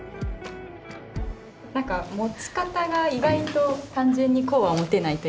何か持ち方が意外と単純にこうは持てないというか。